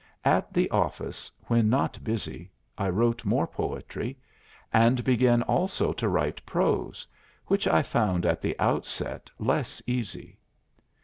At the office, when not busy, I wrote more poetry, and began also to write prose, which I found at the outset less easy.